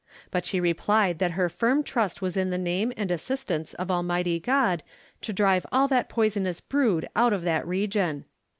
But she replied that her firm trust was in the name and assistance of Almighty God to drive all that poisonous brood out of that region.